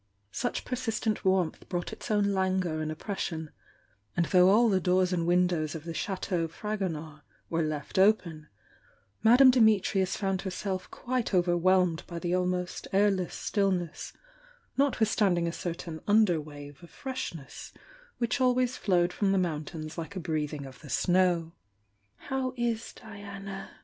Such persistent warmth brought its own languor and op pression, and though all the doors and windows of the Chateau Fragonard were left open, Madame Dimitrius found herself quite overwhelmed by the almost airless stillness, notwithstanding a certain under wave of freshness which always flowed from the mountains like a breathing of the snow. "How is Diana?"